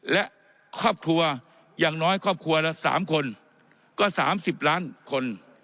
และครอบครัวอย่างน้อยครอบครัวละ๓คนก็๓๐ล้านคน